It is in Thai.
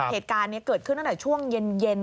เหตุการณ์นี้เกิดขึ้นตั้งแต่ช่วงเย็น